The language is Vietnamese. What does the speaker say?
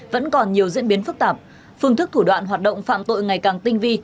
vẫn còn nhiều diễn biến phức tạp phương thức thủ đoạn hoạt động phạm tội ngày càng tinh vi